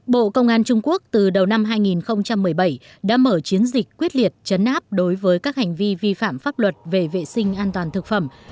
bộ công an trung quốc từ đầu năm hai nghìn một mươi bảy đã mở chiến dịch quyết liệt chấn áp đối với các hành vi vi phạm pháp luật về vệ sinh an toàn thực phẩm